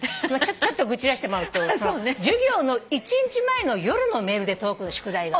ちょっと愚痴らせてもらうと授業の１日前の夜のメールで届くの宿題が。